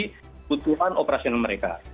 kebutuhan operasional mereka